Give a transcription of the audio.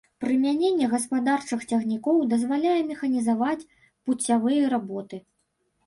Прымяненне гаспадарчых цягнікоў дазваляе механізаваць пуцявыя работы.